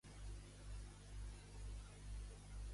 Quin partit català va ser invitat al congrés?